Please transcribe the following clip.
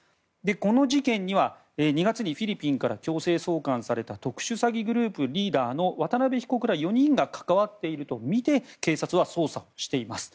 この事件には２月にフィリピンから強制送還された特殊詐欺グループのリーダーの渡邉被告ら４人が関わっているとみて警察は捜査をしています。